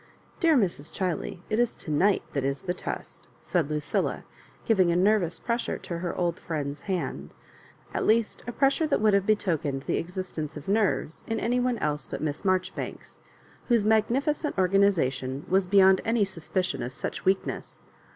Dear Mns. Chiley, it is to night that is the test," said Lucilla, giving a nervous pressure to her old friend's hand ; at least a pressure that would have betokened the exist ence of nerves in any one else but Miss Mar joribanks, whose magnificent organisation was beyond any suspicion of such weakness.